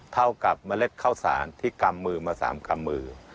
เท่ากับเมล็ดเข้าสารที่กรรมมือมา๓กรรมมือ